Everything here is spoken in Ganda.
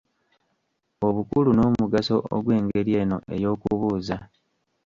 Obukulu n'omugaso ogw'engeri eno ey'okubuuza.